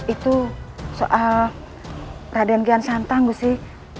itu soal raden kian santang gusih